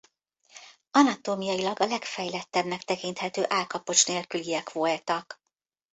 Anatómiailag a legfejlettebbnek tekinthető állkapocs nélküliek voltak.